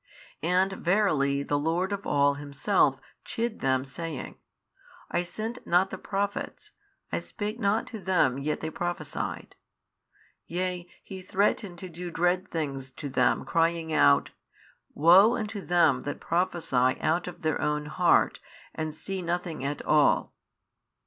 And verily the Lord of all Himself chid them saying, I sent not the prophets, I spake not to them yet they prophesied; yea, He threatened to do dread things to them crying out, Woe unto them that prophesy out of their their own heart and see nothing at all.